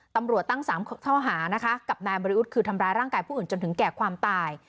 ตำรวจตั้ง๓ข้อหานะคะกับนายบริวุฒิคือทำร้ายร่างกายผู้อื่นจนถึงแก่ความตาย